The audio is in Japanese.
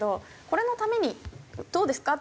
これのためにどうですか？